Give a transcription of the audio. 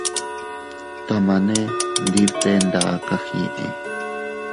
Tamane ndi bte nda kagii.